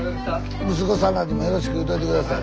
息子さんらにもよろしく言うといて下さい。